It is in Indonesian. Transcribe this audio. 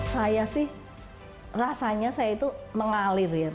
saya sih rasanya saya itu mengalir ya